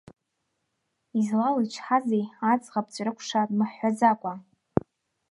Излалычҳазеи аӡӷаб ҵәрышкәа, дмыҳәҳәаӡакәа!